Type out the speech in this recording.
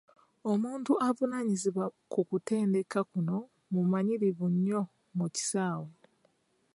Omuntu avunaanyizibwa ku kutendeka kuno mumanyirivu nnyo mu kisaawe .